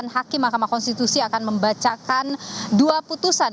hakim mahkamah konstitusi akan membacakan dua putusan